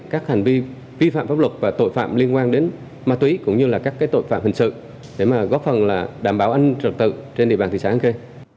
các hành vi vi phạm pháp luật và tội phạm liên quan đến ma túy cũng như là các tội phạm hình sự để góp phần đảm bảo an ninh trật tự trên địa bàn thị xã an khê